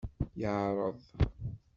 Yeɛreḍ.